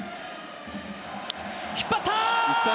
引っ張った！